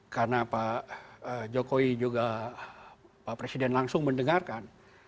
karena pak jokowi juga pak presiden langsung mendekatkan